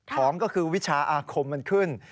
ของก็คือวิชาอาคมมันขึ้น